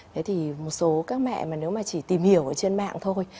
thế thì một số các mẹ mà nếu mà chỉ tìm hiểu ở trên mạng thôi